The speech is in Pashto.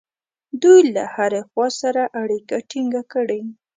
دوی له هرې خوا سره اړیکه ټینګه کړي.